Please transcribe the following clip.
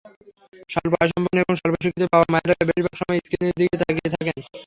স্বল্প আয়সম্পন্ন এবং স্বল্পশিক্ষিত বাবা-মায়েরা বেশির ভাগ সময় স্ক্রিনের দিকে তাকিয়ে থাকেন।